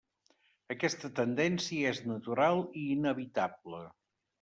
Aquesta tendència és natural i inevitable.